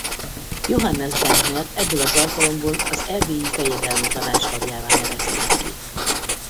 Johannes Benknert ebből az alkalomból az erdélyi fejedelmi tanács tagjává nevezték ki.